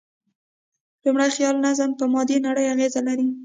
لومړی، خیالي نظم په مادي نړۍ اغېز لري.